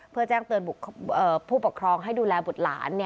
เพื่อแจ้งเตือนผู้ปกครองให้ดูแลบุตรหลาน